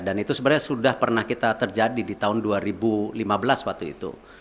dan itu sebenarnya sudah pernah kita terjadi di tahun dua ribu lima belas waktu itu